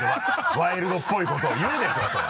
ワイルドっぽいことを言うでしょそれは。